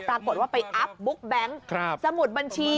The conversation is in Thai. ปรากฏว่าไปอัพบุ๊กแบงค์สมุดบัญชี